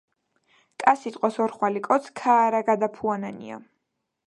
კა სიტყვას ორხვალი კოც ქაარაგადაფუანანია.„